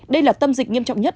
đây là tâm dịch nghiêm trọng nhất